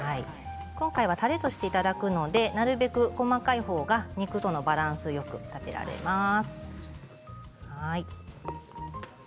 今回は、たれとしていただくのでなるべく細かい方がお肉とのバランスがよく食べられます。